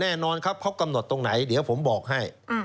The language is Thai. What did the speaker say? แน่นอนครับเขากำหนดตรงไหนเดี๋ยวผมบอกให้